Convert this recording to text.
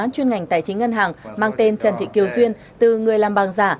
chuyên ngành tài chính ngân hàng mang tên trần thị kiều duyên từ người làm bằng giả